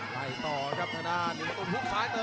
ลาดอนเล็กก็ไปคืนไม่ได้